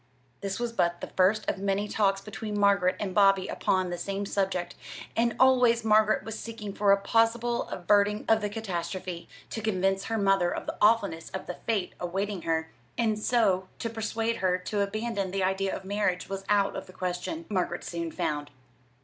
This was but the first of many talks between Margaret and Bobby upon the same subject, and always Margaret was seeking for a possible averting of the catastrophe. To convince her mother of the awfulness of the fate awaiting her, and so to persuade her to abandon the idea of marriage, was out of the question, Margaret soon found.